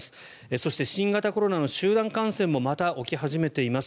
そして、新型コロナの集団感染もまた起き始めています。